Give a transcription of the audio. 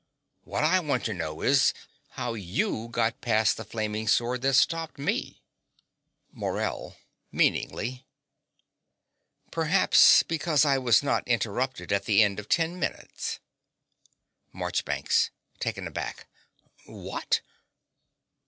What I want to know is how you got past the flaming sword that stopped me. MORELL (meaningly). Perhaps because I was not interrupted at the end of ten minutes. MARCHBANKS (taken aback). What!